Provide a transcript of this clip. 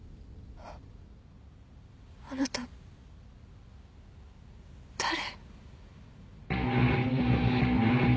あなた誰？